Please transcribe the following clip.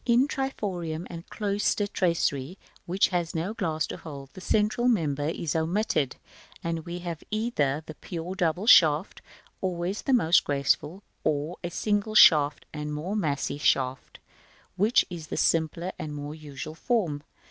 In triforium and cloister tracery, which has no glass to hold, the central member is omitted, and we have either the pure double shaft, always the most graceful, or a single and more massy shaft, which is the simpler and more usual form.